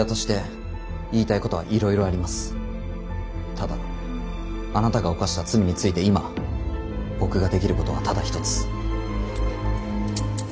ただあなたが犯した罪について今僕ができることはただ一つ。